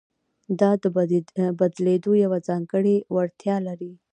دا د بدلېدو یوه ځانګړې وړتیا لري.